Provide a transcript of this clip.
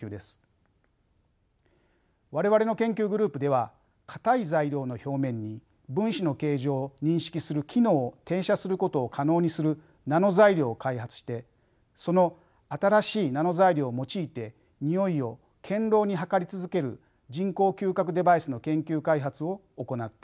我々の研究グループでは固い材料の表面に分子の形状を認識する機能を転写することを可能にするナノ材料を開発してその新しいナノ材料を用いてにおいを堅ろうに測り続ける人工嗅覚デバイスの研究開発を行っています。